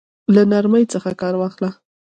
له نرمۍ څخه كار واخله!